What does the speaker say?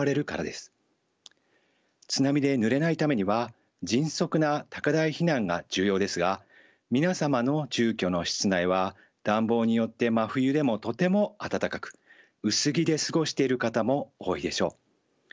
津波でぬれないためには迅速な高台避難が重要ですが皆様の住居の室内は暖房によって真冬でもとても暖かく薄着で過ごしている方も多いでしょう。